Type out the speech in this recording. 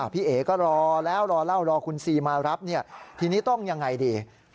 พี่เอ๋ก็รอแล้วรอเล่ารอคุณซีมารับทีนี้ต้องยังไงดี